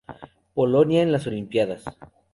Polonia en las Olimpíadas